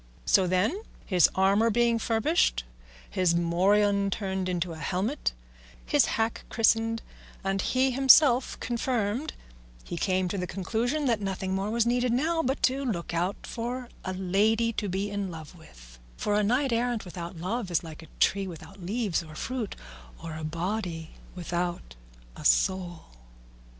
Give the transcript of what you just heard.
So then, his armour being furbished, his morion turned into a helmet, his hack christened, and he himself confirmed, he came to the conclusion that nothing more was needed now but to look out for a lady to be in love with; for a knight errant without love was like a tree without leaves or fruit, or a body without a soul.